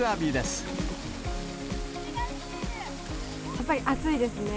やっぱり暑いですね。